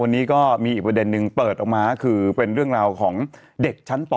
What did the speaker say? วันนี้ก็มีอีกประเด็นนึงเปิดออกมาคือเป็นเรื่องราวของเด็กชั้นป